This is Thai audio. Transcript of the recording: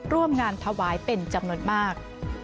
ร่วมงานถวายเป็นจำนวนมาก